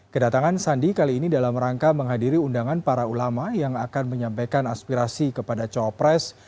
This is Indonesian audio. kedatangan sandi kali ini dalam rangka menghadiri undangan para ulama yang akan menyampaikan aspirasi kepada cawapres